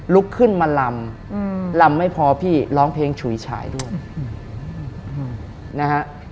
ลุกขึ้นมาลำลำไม่พอพี่ร้องเพลงฉุยฉายด้วยนะฮะ